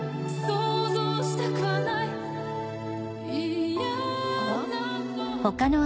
想像したくはない嫌なの